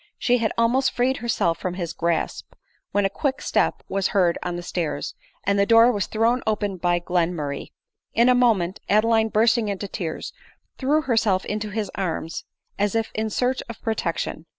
she had almost freed herself from his grasp, when a quick step was heard on the stairs, and the door was thrown open by Glenmurray. In a moment, Adeline bursting into tears, threw herself into his arms, as if in search of protection.